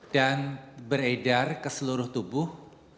dan beredar ke seluruh tubuh